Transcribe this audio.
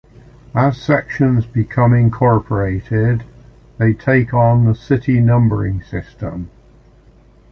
As sections become incorporated, they take on the city numbering system.